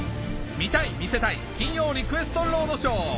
見たい見せたい金曜リクエストロードショー